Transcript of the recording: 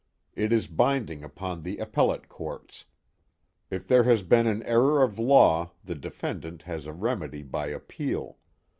It is binding upon the appellate courts. If there has been an error of law the defendant has a remedy by appeal.